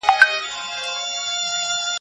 په قلم لیکنه کول د ذهن د ښایسته کولو هنر دی.